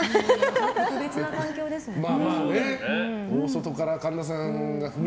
特別な環境ですもんね。